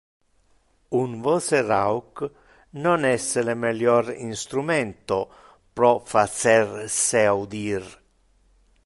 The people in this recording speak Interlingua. Un voce rauc non es le melior instrumento pro facer se audir.